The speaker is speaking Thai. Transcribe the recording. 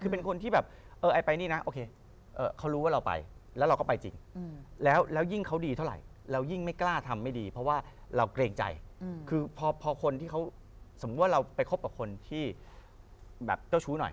เพราะว่าเราก็จะมีไหมเราต้องมีไหมหน่อยเพราะว่าเรากลัวมันมีก่อน